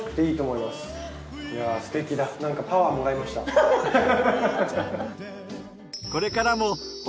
いやすてきだなんかパワーもらいましたハハハ。